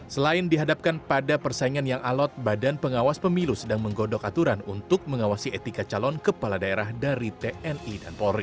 selain dihadapkan pada persaingan yang alot badan pengawas pemilu sedang menggodok aturan untuk mengawasi etika calon kepala daerah dari tni dan polri